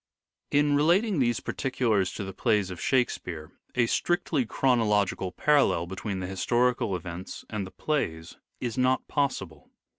In relating these particulars to the plays of Shake speare a strictly chronological parallel between the historical events and the plays is not possible.